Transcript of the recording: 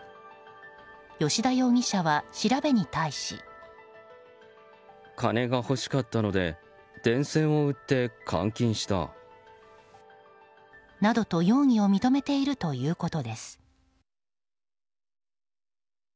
吉田容疑者は調べに対し。などと容疑を認めているということです。